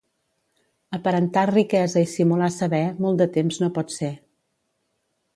Aparentar riquesa i simular saber, molt de temps no pot ser.